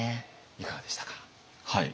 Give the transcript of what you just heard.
いかがでしたか？